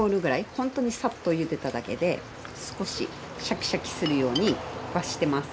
ホントにサッとゆでただけで少しシャキシャキするようにはしています。